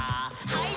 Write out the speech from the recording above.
はい。